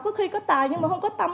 có khi có tài nhưng mà không có tâm